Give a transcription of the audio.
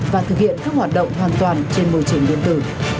và thực hiện các hoạt động hoàn toàn trên môi trường điện tử